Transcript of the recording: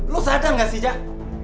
lo sadar gak sih jah